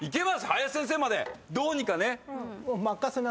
林先生までどうにか。